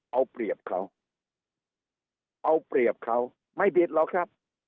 เอาเปรียบเขาเอาเปรียบเขาไม่ผิดหรอกครับ